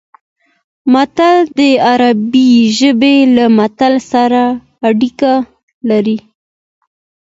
متل د عربي ژبې له مثل سره اړیکه لري